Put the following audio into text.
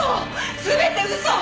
全て嘘！